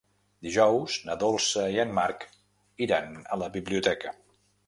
Dijous na Dolça i en Marc iran a la biblioteca.